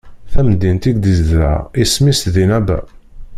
Tamdint ideg izdeɣ isem-is Dinaba.